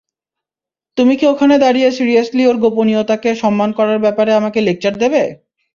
তুমি কি ওখানে দাঁড়িয়ে সিরিয়াসলি ওর গোপনীয়তাকে সম্মান করার ব্যাপারে আমাকে লেকচার দেবে?